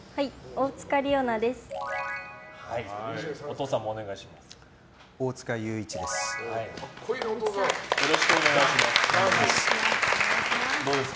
大塚裕一です。